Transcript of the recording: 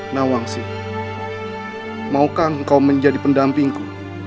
nawangsi maukah kau menjadi pendampingku